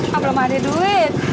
mak belum ada duit